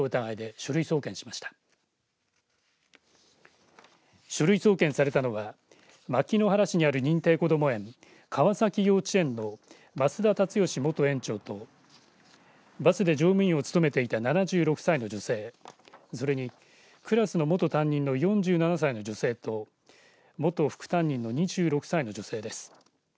書類送検されたのは牧之原市にある認定こども園川崎幼稚園の増田立義元園長とバスで乗務員を務めていた７６歳の女性それにクラスの元担任の４７歳の女性と元副担任の２６歳の女性です。